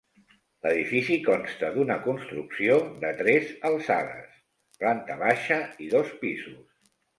L'edifici consta d'una construcció de tres alçades, planta baixa i dos pisos.